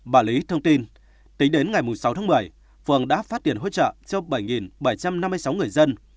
bà lý thông tin tính đến ngày sáu tháng một mươi phường đã phát tiền hỗ trợ cho bảy bảy trăm năm mươi sáu người dân